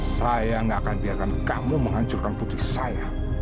saya gak akan biarkan kamu menghancurkan putri saya